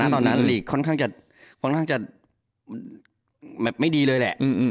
ตอนนั้นหลีกค่อนข้างจะไม่ดีเลยละ